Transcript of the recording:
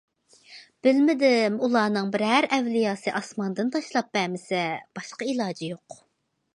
بىلمىدىم، ئۇلارنىڭ بىرەر ئەۋلىياسى ئاسماندىن تاشلاپ بەرمىسە، باشقا ئىلاجى يوق.